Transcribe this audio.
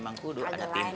emang kudu ada tim